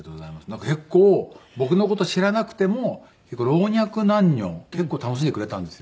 なんか結構僕の事知らなくても老若男女結構楽しんでくれたんですよね。